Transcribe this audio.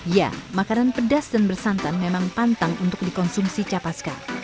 ya makanan pedas dan bersantan memang pantang untuk dikonsumsi capaska